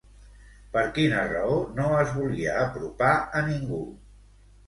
Per quina raó no es volia apropar a ningú?